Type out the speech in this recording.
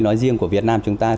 nói riêng của việt nam